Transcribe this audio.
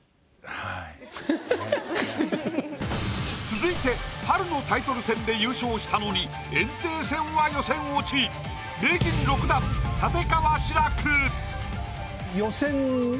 続いて春のタイトル戦で優勝したのに炎帝戦は予選落ち名人６段立川志らく！